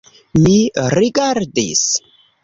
Mi rigardis.